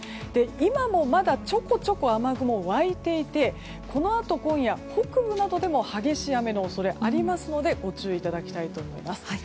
今もまだちょこちょこ雨雲沸いていてこのあと今夜、北部などでも激しい雨の恐れがありますのでご注意いただきたいと思います。